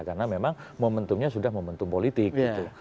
karena memang momentumnya sudah momentum politik